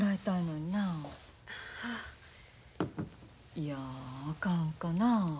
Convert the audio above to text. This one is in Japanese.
いやあかんかなあ。